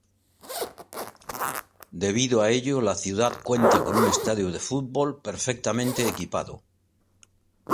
Debido a ello, la ciudad cuenta con un estadio de fútbol perfectamente equipado.